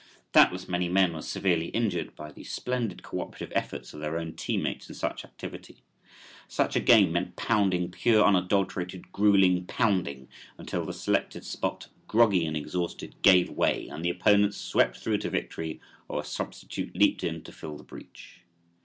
Doubtless many men were severely injured by the splendid co operative efforts of their own team mates in such activity. Such a game meant pounding pure, unadulterated, gruelling pounding until the selected spot, groggy and exhausted, gave way and the opponents swept through to victory or a substitute leaped in to fill the breach.